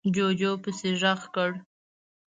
جُوجُو پسې غږ کړ: